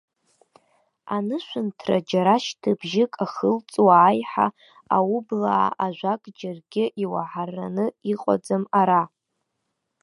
Анышәынҭра џьара шьҭыбжьык ахылҵуа аиҳа, аублаа ажәак џьаргьы иуаҳараны иҟаӡам ара!